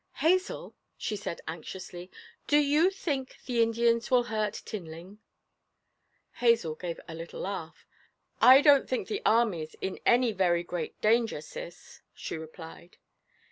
'Hazel,' she said anxiously, 'do you think the Indians will hurt Tinling?' Hazel gave a little laugh. 'I don't think the army's in any very great danger, Cis,' she replied.